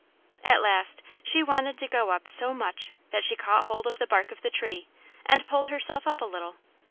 At last she wanted to go up so much, that she caught hold of the bark of the tree, and pulled herself up a little.